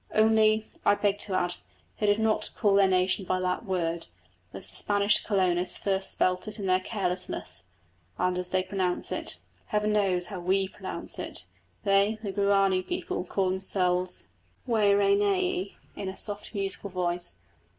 Only, I beg to add, they do not call their nation by that word, as the Spanish colonists first spelt it in their carelessness, and as they pronounce it. Heaven knows how we pronounce it! They, the Guarani people, call themselves Wä rä nä eé, in a soft musical voice.